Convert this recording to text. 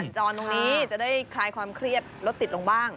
จรตรงนี้จะได้คลายความเครียดรถติดลงบ้าง